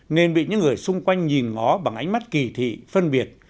nên bị những người xung quanh nhìn ngó bằng ánh mắt kỳ thị phân biệt